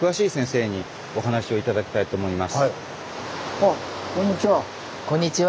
あこんにちは。